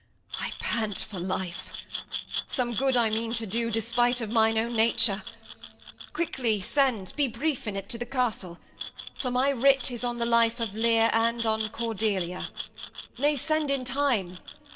Edm. I pant for life. Some good I mean to do, Despite of mine own nature. Quickly send (Be brief in't) to the castle; for my writ Is on the life of Lear and on Cordelia. Nay, send in time.